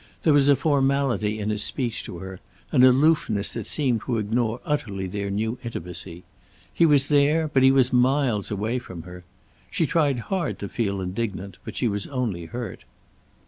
There was a formality in his speech to her, an aloofness that seemed to ignore utterly their new intimacy. He was there, but he was miles away from her. She tried hard to feel indignant, but she was only hurt.